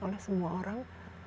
oleh semua orang